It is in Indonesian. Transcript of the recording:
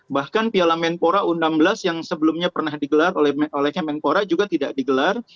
bahkan piala menpora u enam belas yang sebelumnya pernah digelar oleh kemenpora juga tidak digelar